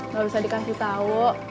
gak usah dikasih tau